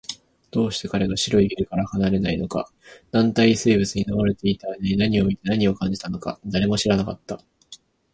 どうして彼が白いゲルから離れないのか、軟体生物に飲まれていた間に何を見て、何を感じたのか、誰も知らなかった